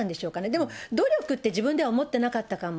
でも、努力って自分では思ってなかったかも。